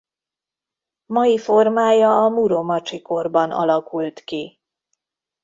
Mai formája a Muromacsi-korban alakult ki.